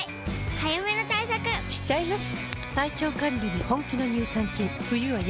早めの対策しちゃいます。